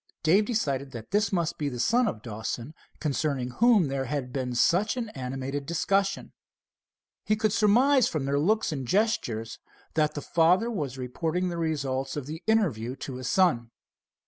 Dave decided that this must be the son of Dawson concerning whom there had been such an animated discussion. He could surmise from their looks and gestures that the father was reporting the result of the interview to his son.